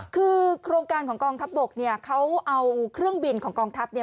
คือโครงการของกองทัพบกเนี่ยเขาเอาเครื่องบินของกองทัพเนี่ย